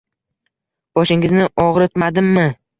Boshingizni og'ritmadimmi?